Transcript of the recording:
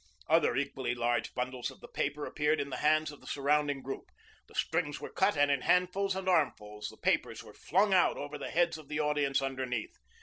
Other equally large bundles of the paper appeared in the hands of the surrounding group. The strings were cut and in handfuls and armfuls the papers were flung out over the heads of the audience underneath.